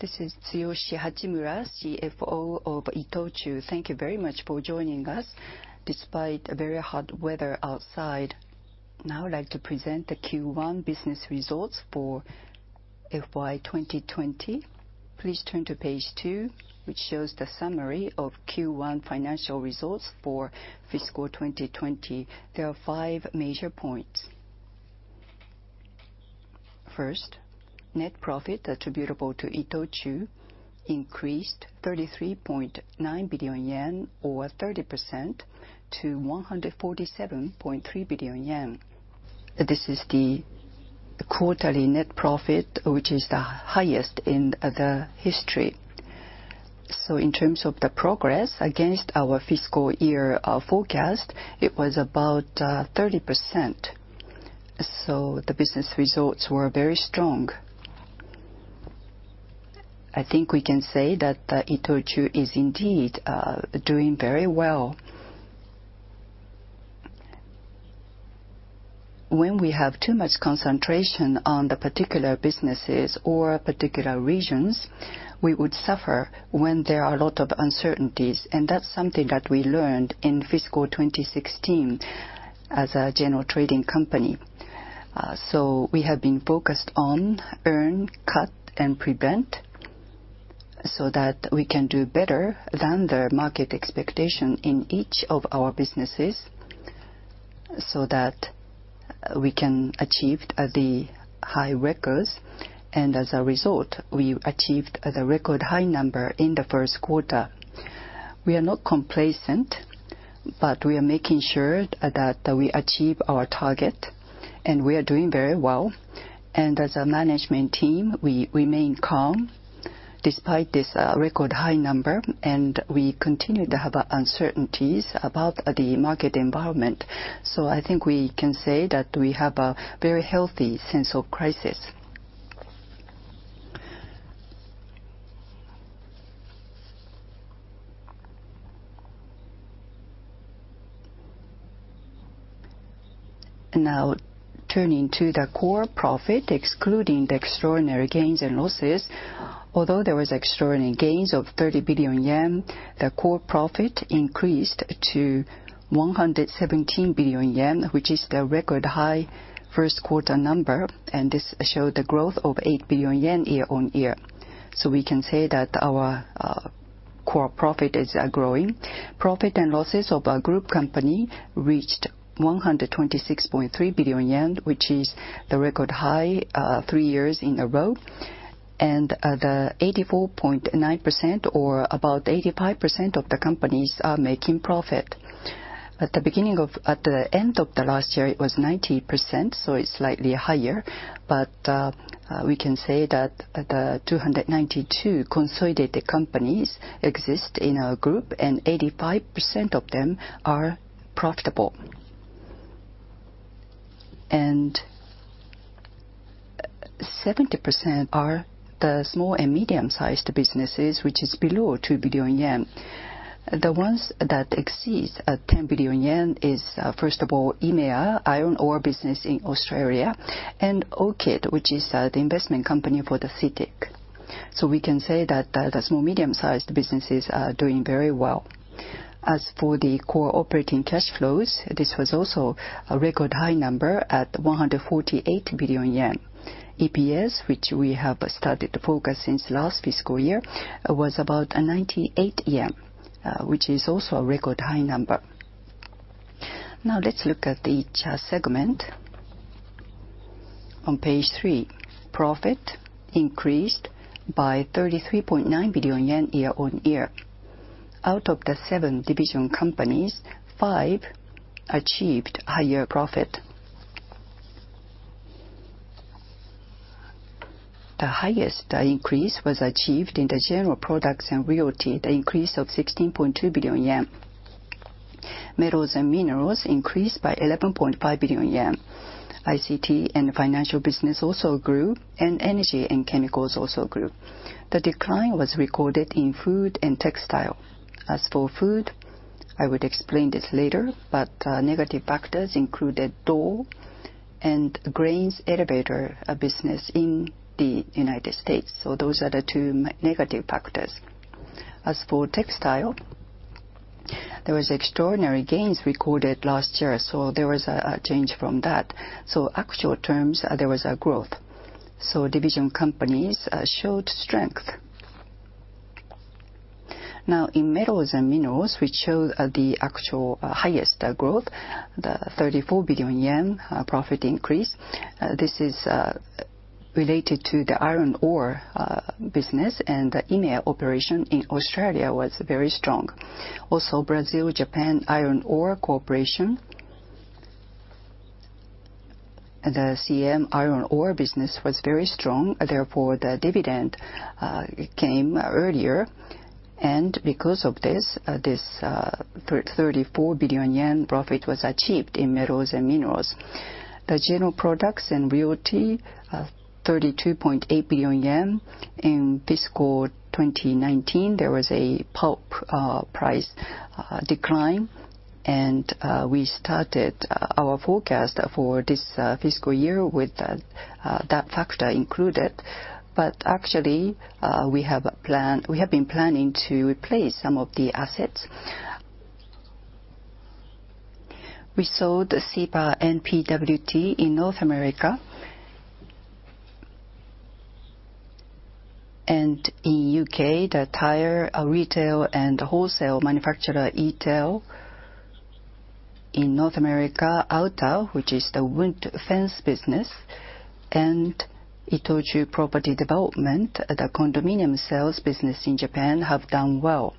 This is Tsuyoshi Hachimura, CFO of ITOCHU. Thank you very much for joining us despite very hot weather outside. Now I'd like to present the Q1 business results for fiscal year 2020. Please turn to Page 2, which shows the summary of Q1 financial results for fiscal 2020. There are five major points. First, net profit attributable to ITOCHU increased 33.9 billion yen, or 30%, to 147.3 billion yen. This is the quarterly net profit, which is the highest in the history. In terms of the progress against our fiscal year forecast, it was about 30%. The business results were very strong. I think we can say that ITOCHU is indeed doing very well. When we have too much concentration on the particular businesses or particular regions, we would suffer when there are a lot of uncertainties, and that's something that we learned in fiscal 2016 as a general trading company. We have been focused on earn, cut, and prevent so that we can do better than the market expectation in each of our businesses so that we can achieve the high records. As a result, we achieved the record high number in the first quarter. We are not complacent, but we are making sure that we achieve our target, and we are doing very well. As a management team, we remain calm despite this record high number, and we continue to have uncertainties about the market environment. I think we can say that we have a very healthy sense of crisis. Now turning to the core profit, excluding the extraordinary gains and losses, although there were extraordinary gains of 30 billion yen, the core profit increased to 117 billion yen, which is the record high first quarter number, and this showed the growth of 8 billion yen year on year. We can say that our core profit is growing. Profit and losses of our group company reached 126.3 billion yen, which is the record high three years in a row, and 84.9%, or about 85%, of the companies are making profit. At the end of the last year, it was 90%, so it is slightly higher, but we can say that the 292 consolidated companies exist in our group, and 85% of them are profitable. 70% are the small and medium-sized businesses, which is below 2 billion yen. The ones that exceed 10 billion yen are, first of all, IMEA, Iron Ore Business in Australia, and ORCID, which is the investment company for the CITIC. We can say that the small and medium-sized businesses are doing very well. As for the core operating cash flows, this was also a record high number at 148 billion yen. EPS, which we have started to focus on since last fiscal year, was about 98 yen, which is also a record high number. Now let's look at each segment. On Page 3, profit increased by 33.9 billion yen year on year. Out of the seven division companies, five achieved higher profit. The highest increase was achieved in the general products and realty, the increase of 16.2 billion yen. Metals and minerals increased by 11.5 billion yen. ICT and financial business also grew, and energy and chemicals also grew. The decline was recorded in food and textile. As for food, I would explain this later, but negative factors included Dole and grains elevator business in the United States. Those are the two negative factors. As for textile, there were extraordinary gains recorded last year, so there was a change from that. In actual terms, there was a growth. Division companies showed strength. In metals and minerals, which showed the actual highest growth, the 34 billion yen profit increase, this is related to the iron ore business, and the IMEA operation in Australia was very strong. Also, Brazil-Japan Iron Ore Corporation, the CM iron ore business, was very strong. Therefore, the dividend came earlier, and because of this, this 34 billion yen profit was achieved in metals and minerals. The general products and realty, 32.8 billion yen. In fiscal 2019, there was a pulp price decline, and we started our forecast for this fiscal year with that factor included. Actually, we have been planning to replace some of the assets. We sold CPA and PWT in North America, and in the U.K., the tire retail and wholesale manufacturer ETEL. In North America, Alta, which is the wood fence business, and ITOCHU Property Development, the condominium sales business in Japan, have done well.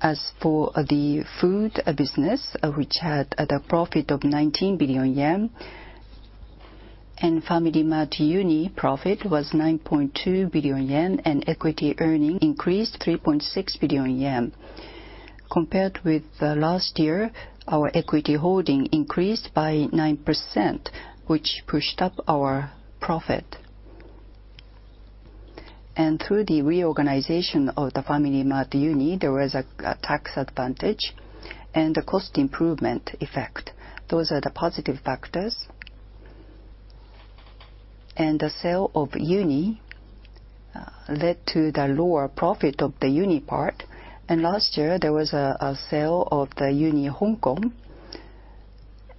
As for the food business, which had a profit of 19 billion yen, and FamilyMart UNY profit was 9.2 billion yen, and equity earnings increased 3.6 billion yen. Compared with last year, our equity holding increased by 9%, which pushed up our profit. Through the reorganization of the FamilyMart UNY, there was a tax advantage and a cost improvement effect. Those are the positive factors. The sale of UNY led to the lower profit of the UNY part, and last year, there was a sale of the UNY Hong Kong,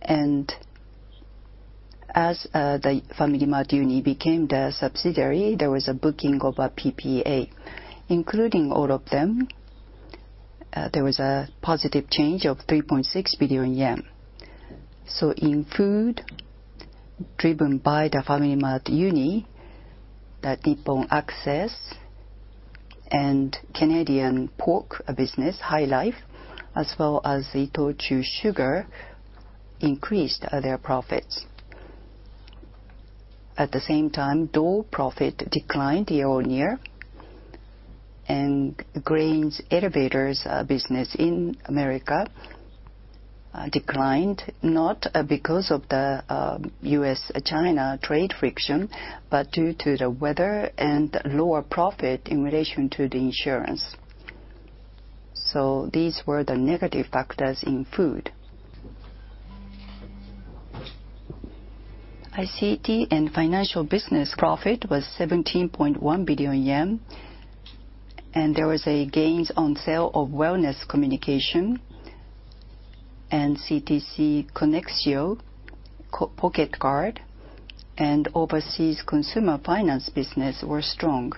and as the FamilyMart UNY became the subsidiary, there was a booking of a PPA. Including all of them, there was a positive change of 3.6 billion yen. In food, driven by the FamilyMart UNY, the Nippon Access and Canadian pork business HyLife, as well as ITOCHU Sugar, increased their profits. At the same time, Dole profit declined year on year, and grains elevators business in the United States declined, not because of the U.S.-China trade friction, but due to the weather and lower profit in relation to the insurance. These were the negative factors in food. ICT and financial business profit was 17.1 billion yen, and there was a gains on sale of Wellness Communications, and CTC, Connexio, Pocket Card, and overseas consumer finance business were strong.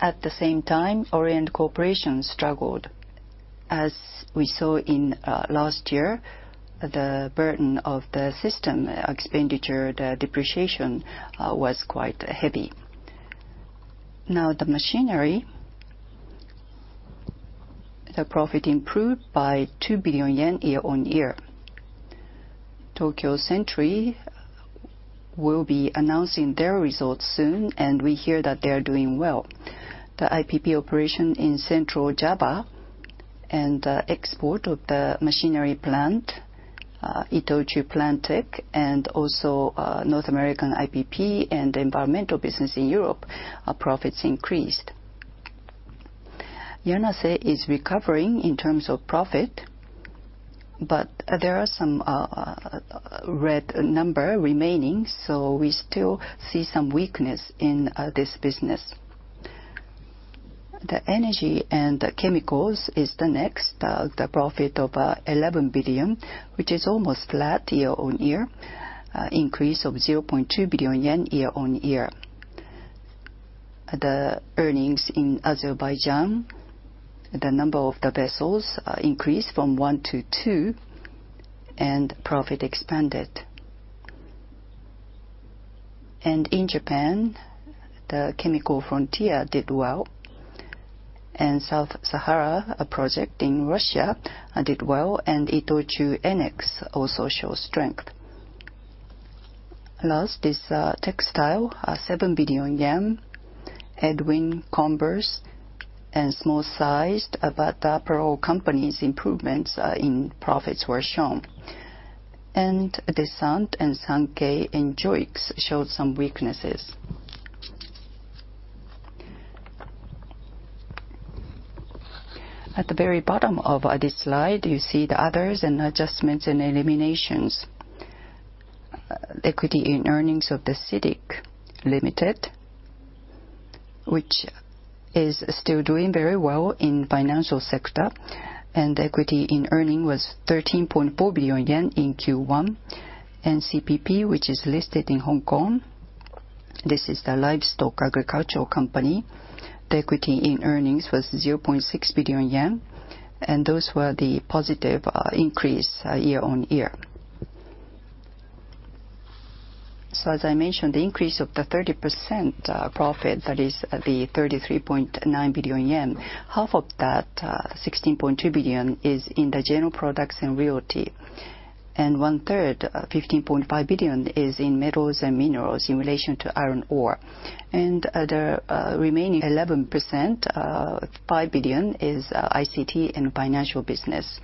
At the same time, Orient Corporation struggled, as we saw in last year. The burden of the system expenditure, the depreciation, was quite heavy. Now the machinery, the profit improved by 2 billion yen year on year. Tokyo Century will be announcing their results soon, and we hear that they are doing well. The IPP operation in Central Java and the export of the machinery plant, ITOCHU Plantech, and also North American IPP and environmental business in Europe are profits increased. Yanase is recovering in terms of profit, but there are some red numbers remaining, so we still see some weakness in this business. The energy and chemicals is the next, the profit of 11 billion, which is almost flat year on year, increase of 0.2 billion yen year on year. The earnings in Azerbaijan, the number of the vessels increased from one to two, and profit expanded. In Japan, Chemical Frontier did well, and South Sakhalin a project in Russia did well, and ITOCHU ENEX also showed strength. Last is textile, 7 billion yen, Edwin, Converse, and small-sized but apparel companies improvements in profits were shown. Descente and Sankei and Joyx showed some weaknesses. At the very bottom of this slide, you see the others and adjustments and eliminations. Equity in earnings of CITIC Limited, which is still doing very well in the financial sector, and equity in earnings was 13.4 billion yen in Q1, and CPP, which is listed in Hong Kong. This is the livestock agriculture company. The equity in earnings was 0.6 billion yen, and those were the positive increase year on year. As I mentioned, the increase of the 30% profit, that is the 33.9 billion yen, half of that, 16.2 billion, is in the general products and realty, and one-third, 15.5 billion, is in metals and minerals in relation to iron ore. The remaining 11%, 5 billion, is ICT and financial business.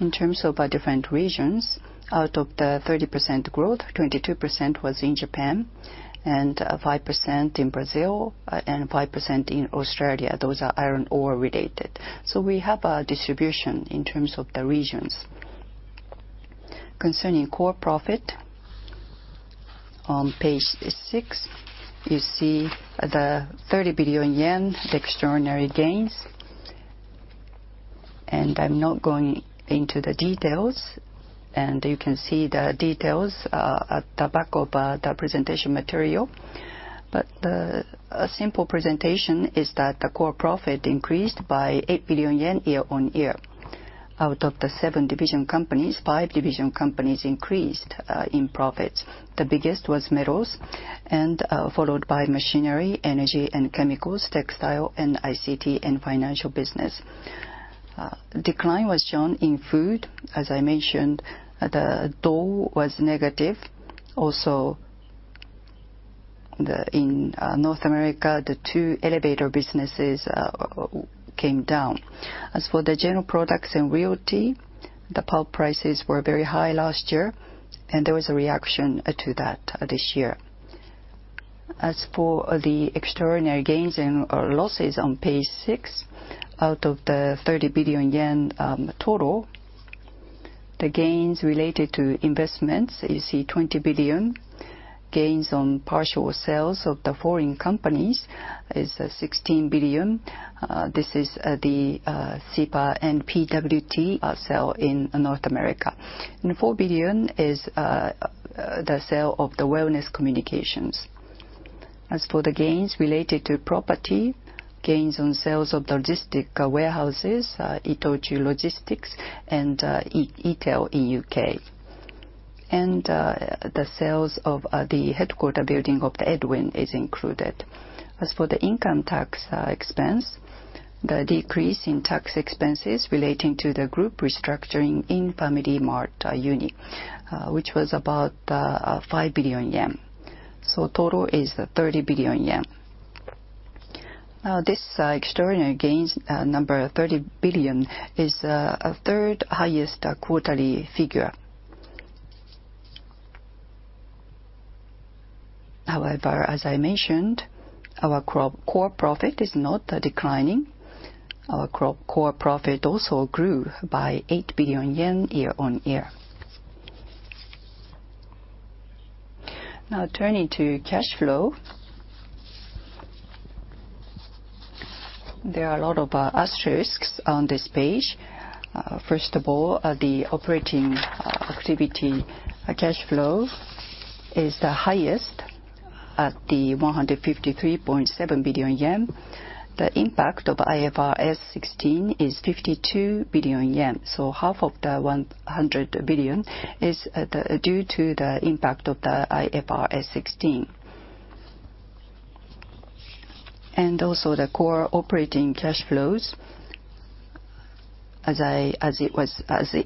In terms of different regions, out of the 30% growth, 22% was in Japan, 5% in Brazil, and 5% in Australia. Those are iron ore related. We have a distribution in terms of the regions. Concerning core profit, on Page 6, you see the 30 billion yen extraordinary gains, and I'm not going into the details, and you can see the details at the back of the presentation material. A simple presentation is that the core profit increased by 8 billion yen year on year. Out of the seven division companies, five division companies increased in profits. The biggest was metals, followed by machinery, energy and chemicals, textile, and ICT and financial business. Decline was shown in food. As I mentioned, the Dole was negative. Also, in North America, the two elevator businesses came down. As for the general products and realty, the pulp prices were very high last year, and there was a reaction to that this year. As for the extraordinary gains and losses on Page 6, out of the 30 billion yen total, the gains related to investments, you see 20 billion. Gains on partial sales of the foreign companies is 16 billion. This is the CPA and PWT sale in North America. 4 billion is the sale of the Wellness Communications. As for the gains related to property, gains on sales of the logistic warehouses, ITOCHU Logistics and ETEL in U.K. The sales of the headquarter building of Edwin is included. As for the income tax expense, the decrease in tax expenses relating to the group restructuring in FamilyMart UNY, which was about 5 billion yen. The total is 30 billion yen. This extraordinary gains number, 30 billion, is the third highest quarterly figure. However, as I mentioned, our core profit is not declining. Our core profit also grew by 8 billion yen year on year. Now turning to cash flow, there are a lot of asterisks on this page. First of all, the operating activity cash flow is the highest at 153.7 billion yen. The impact of IFRS 16 is 52 billion yen. Half of the 100 billion is due to the impact of IFRS 16. Also, the core operating cash flows, as it was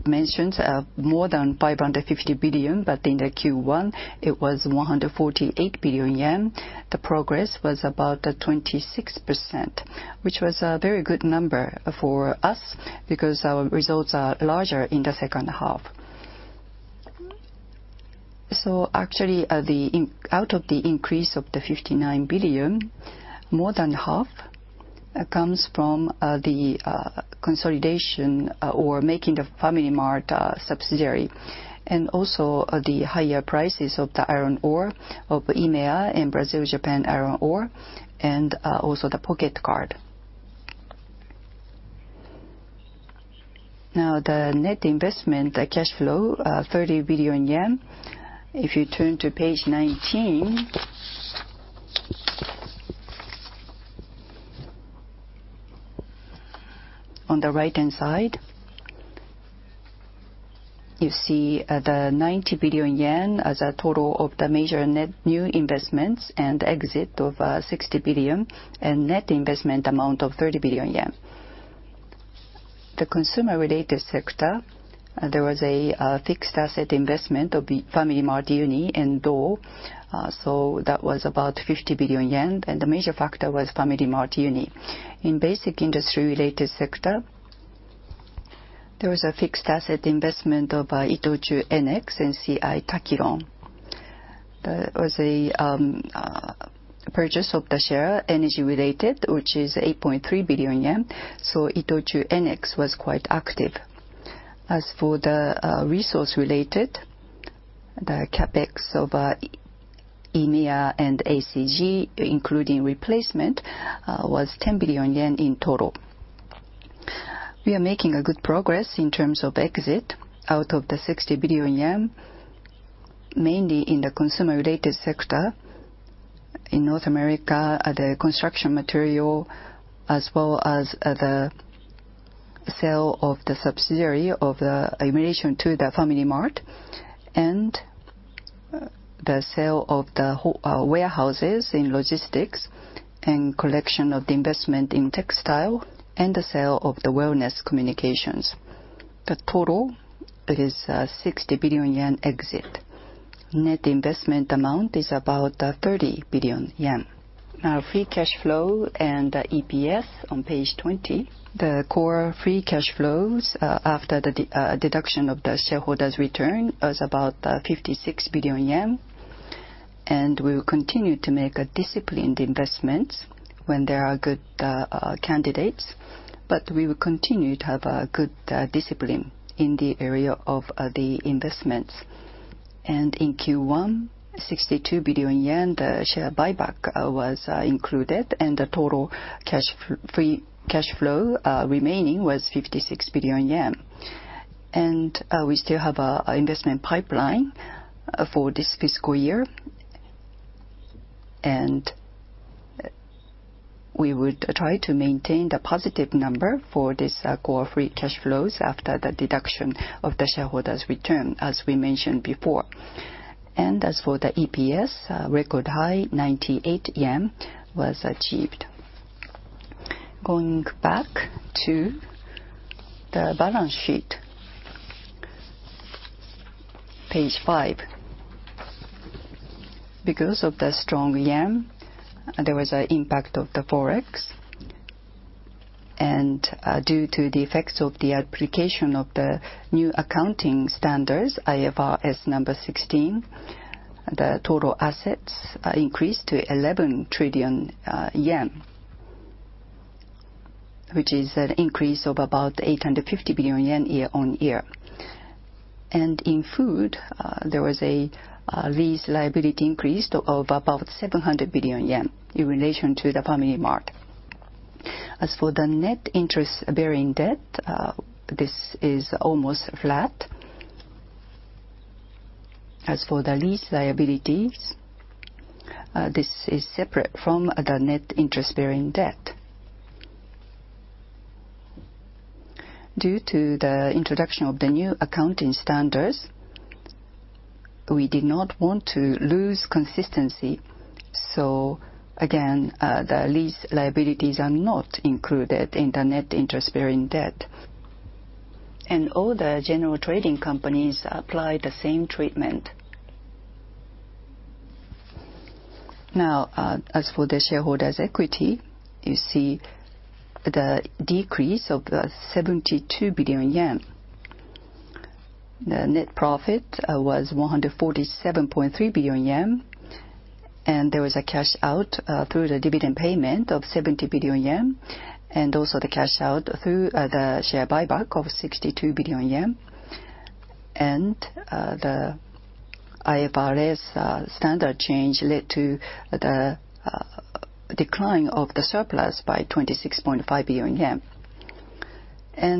mentioned, more than 550 billion, but in Q1, it was 148 billion yen. The progress was about 26%, which was a very good number for us because our results are larger in the second half. Actually, out of the increase of 59 billion, more than half comes from the consolidation or making the FamilyMart UNY subsidiary, and also the higher prices of the iron ore of IMEA and Brazil-Japan Iron Ore Corporation, and also the Pocket Card. Now the net investment cash flow, 30 billion yen. If you turn to Page 19, on the right-hand side, you see the 90 billion yen as a total of the major net new investments and exit of 60 billion, and net investment amount of 30 billion yen. The consumer-related sector, there was a fixed asset investment of FamilyMart UNY and Dole, so that was about 50 billion yen, and the major factor was FamilyMart UNY. In basic industry-related sector, there was a fixed asset investment of ITOCHU ENEX and C.I. Takiron. There was a purchase of the share energy-related, which is 8.3 billion yen, so ITOCHU ENEX was quite active. As for the resource-related, the CapEx of IMEA and ACG, including replacement, was 10 billion yen in total. We are making good progress in terms of exit out of the 60 billion yen, mainly in the consumer-related sector in North America, the construction material, as well as the sale of the subsidiary of the emulation to the FamilyMart, and the sale of the warehouses in logistics and collection of the investment in textile, and the sale of the Wellness Communications. The total is 60 billion yen exit. Net investment amount is about 30 billion yen. Now free cash flow and EPS on Page 20. The core free cash flows after the deduction of the shareholders' return was about 56 billion yen, and we will continue to make disciplined investments when there are good candidates, but we will continue to have good discipline in the area of the investments. In Q1, 62 billion yen, the share buyback was included, and the total free cash flow remaining was 56 billion yen. We still have an investment pipeline for this fiscal year, and we would try to maintain the positive number for these core free cash flows after the deduction of the shareholders' return, as we mentioned before. As for the EPS, record high 98 yen was achieved. Going back to the balance sheet, Page 5, because of the strong yen, there was an impact of the Forex, and due to the effects of the application of the new accounting standards, IFRS 16, the total assets increased to 11 trillion yen, which is an increase of about 850 billion yen year on year. In food, there was a lease liability increase of about 700 billion yen in relation to FamilyMart UNY. As for the net interest-bearing debt, this is almost flat. As for the lease liabilities, this is separate from the net interest-bearing debt. Due to the introduction of the new accounting standards, we did not want to lose consistency, so again, the lease liabilities are not included in the net interest-bearing debt. All the general trading companies apply the same treatment. Now, as for the shareholders' equity, you see the decrease of 72 billion yen. The net profit was 147.3 billion yen, and there was a cash out through the dividend payment of 70 billion yen, and also the cash out through the share buyback of 62 billion yen. The IFRS standard change led to the decline of the surplus by 26.5 billion yen.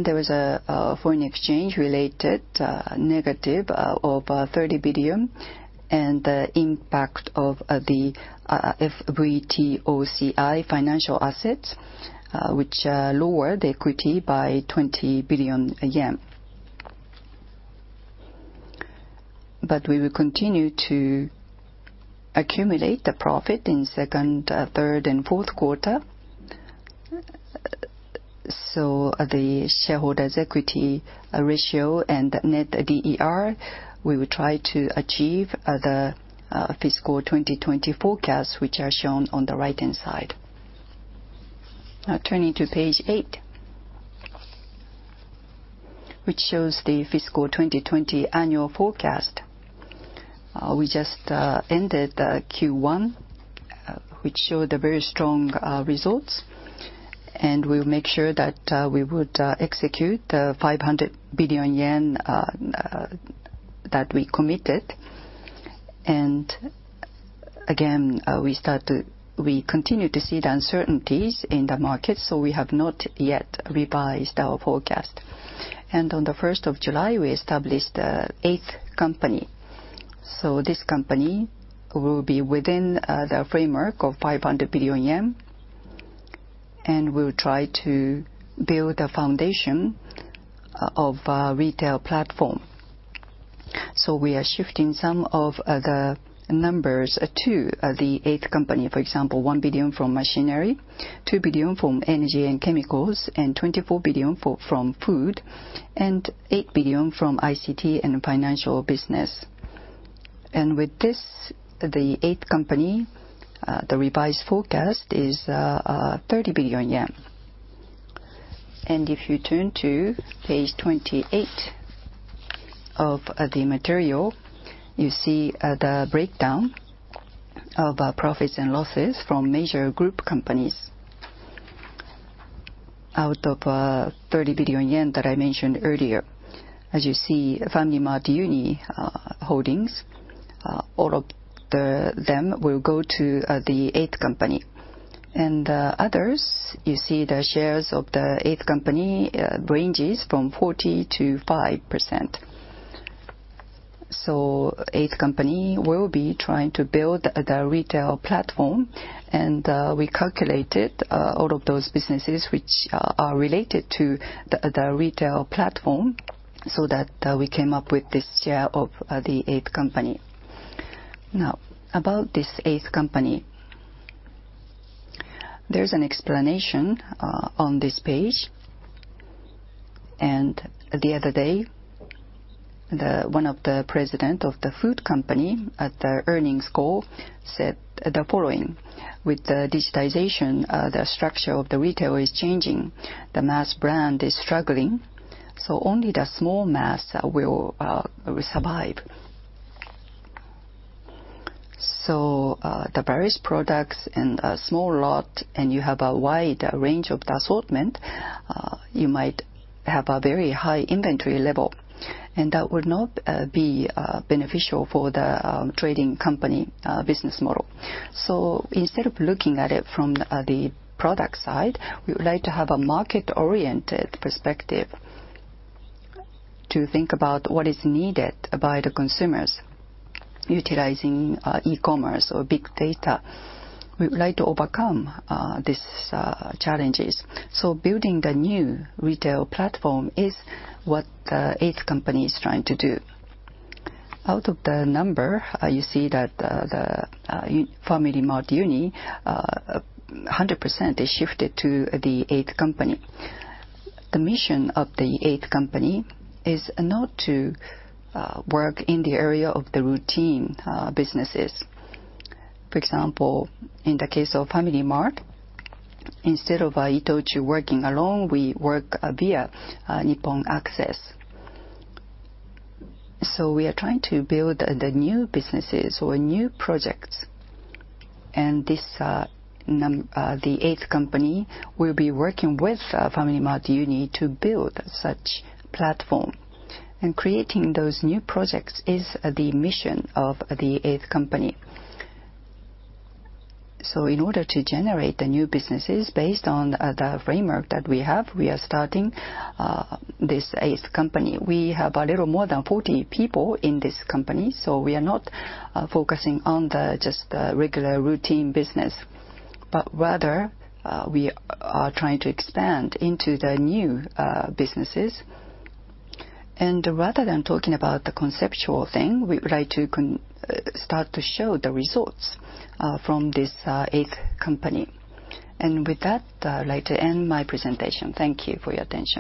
There was a foreign exchange-related negative of 30 billion, and the impact of the FVTOCI financial assets, which lowered the equity by 20 billion yen. We will continue to accumulate the profit in second, third, and fourth quarter. The shareholders' equity ratio and net DER, we will try to achieve the fiscal 2020 forecasts, which are shown on the right-hand side. Now turning to page 8, which shows the fiscal 2020 annual forecast. We just ended Q1, which showed very strong results, and we will make sure that we would execute the 500 billion yen that we committed. We continue to see the uncertainties in the market, so we have not yet revised our forecast. On the 1st of July, we established the eighth company. This company will be within the framework of 500 billion yen, and we'll try to build a foundation of a retail platform. We are shifting some of the numbers to the eighth company, for example, 1 billion from machinery, 2 billion from energy and chemicals, 24 billion from food, and 8 billion from ICT and financial business. With this, the eighth company, the revised forecast is 30 billion yen. If you turn to Page 28 of the material, you see the breakdown of profits and losses from major group companies out of the 30 billion yen that I mentioned earlier. As you see, FamilyMart UNY Holdings, all of them will go to the eighth company. Others, you see the shares of the eighth company range from 40%-5%. The eighth company will be trying to build the retail platform, and we calculated all of those businesses which are related to the retail platform so that we came up with this share of the eighth company. Now, about this eighth company, there is an explanation on this page. The other day, one of the presidents of the food company at the earnings call said the following. With the digitization, the structure of the retail is changing. The mass brand is struggling, so only the small mass will survive. The various products and a small lot, and you have a wide range of the assortment, you might have a very high inventory level, and that will not be beneficial for the trading company business model. Instead of looking at it from the product side, we would like to have a market-oriented perspective to think about what is needed by the consumers utilizing e-commerce or big data. We would like to overcome these challenges. Building the new retail platform is what the eighth company is trying to do. Out of the number, you see that the FamilyMart UNY 100% is shifted to the eighth company. The mission of the eighth company is not to work in the area of the routine businesses. For example, in the case of FamilyMart, instead of ITOCHU working alone, we work via Nippon Access. We are trying to build the new businesses or new projects, and the eighth company will be working with FamilyMart UNY to build such platform. Creating those new projects is the mission of the eighth company. In order to generate the new businesses based on the framework that we have, we are starting this eighth company. We have a little more than 40 people in this company, so we are not focusing on just the regular routine business, but rather we are trying to expand into the new businesses. Rather than talking about the conceptual thing, we would like to start to show the results from this eighth company. With that, I'd like to end my presentation. Thank you for your attention.